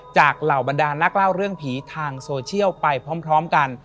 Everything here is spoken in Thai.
เหล่าบรรดานนักเล่าเรื่องผีทางโซเชียลไปพร้อมกัน